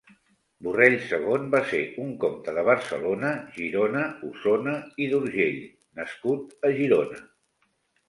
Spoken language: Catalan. Borrell segon va ser un comte de Barcelona, Girona, Osona i d'Urgell nascut a Girona.